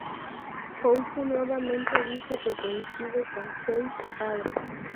House nuevamente dice que coincide con Chase padre.